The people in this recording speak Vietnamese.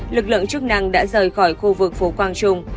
lực lượng chức năng đã rời khỏi khu vực phố quang trung